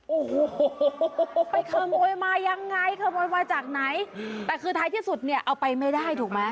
โอ้โหไปขโมยมายังไงขโมยมาจากไหนแต่คือท้ายที่สุดเนี่ยเอาไปไม่ได้ถูกไหม